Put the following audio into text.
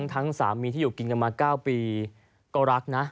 ทั้งสามีที่อยู่กินกันมา๙ปีก็รักนะ